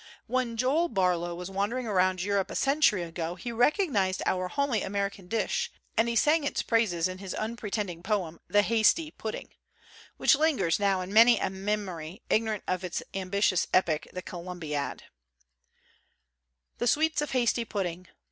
When Joel Barlow was wandering 197 COSMOPOLITAN COOKERY around Europe a century ago he recognized our homely American dish; and he sang its praises in his unpretending poem, the 'Hasty Pudding/ which lingers now in many a memory ignorant of his ambitious epic, the 'Columbiad': The sweets of Hasty Pudding.